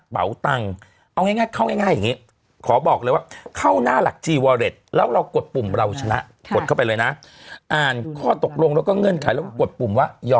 เปาตังก์เอาง่าย